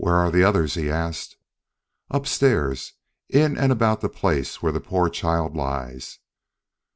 "Where are the others?" he asked. "Upstairs in and about the place where the poor child lies."